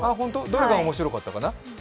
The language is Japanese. どれが面白かったかな？